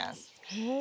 へえ。